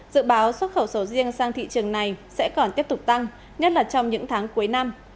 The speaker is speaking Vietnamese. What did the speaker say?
dự báo xuất khẩu sầu riêng sang thị trường này sẽ còn tiếp tục tăng nhất là trong những tháng cuối năm